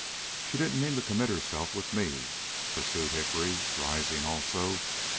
She didn't mean to commit herself with me," pursued Hickory, rising also.